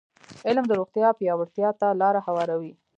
علم د روغتیا پیاوړتیا ته لاره هواروي.